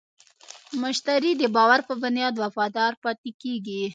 مشتری د باور په بنیاد وفادار پاتې کېږي.